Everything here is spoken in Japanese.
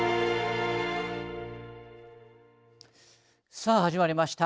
さあ始まりました。